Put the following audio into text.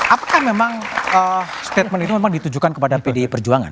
apakah memang statement itu memang ditujukan kepada pdi perjuangan